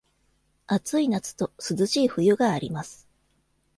暑い夏と涼しい冬があります。